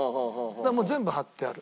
だからもう全部貼ってある。